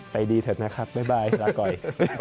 ไปดีเถิดนะครับบ๊ายบายรักก่อย